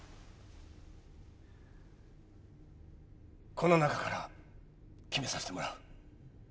この中から決めさせてもらう。